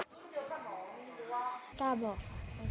รู้สึกเยอะสมองหรือว่า